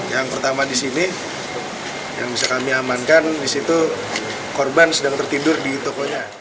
yang pertama disini yang bisa kami amankan disitu korban sedang tertidur di tokonya